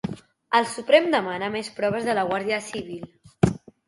El Suprem demana més proves a la Guàrdia Civil.